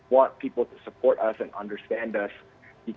mengingat orang orang untuk mendukung kita dan memahami kita